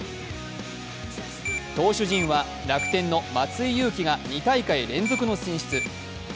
投手陣は、楽天の松井裕樹が２大会連続の選出。